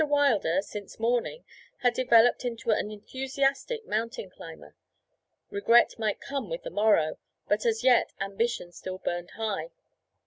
Wilder, since morning, had developed into an enthusiastic mountain climber regret might come with the morrow, but as yet ambition still burned high.